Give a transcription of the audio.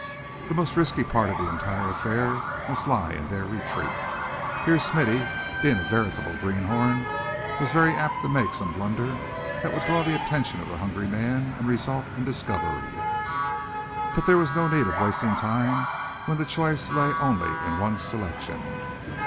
The most risky part of the entire affair must lie in their retreat. Here Smithy, being a veritable greenhorn, was very apt to make some blunder that would draw the attention of the hungry man, and result in discovery. But there was no need of wasting time when the choice lay only in one selection.